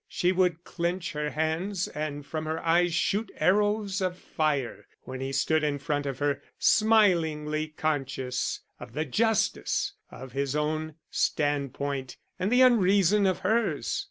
She would clench her hands and from her eyes shoot arrows of fire, when he stood in front of her, smilingly conscious of the justice of his own standpoint and the unreason of hers.